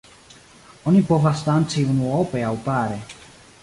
Oni povas danci unuope aŭ pare.